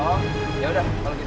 oh yaudah kalau gitu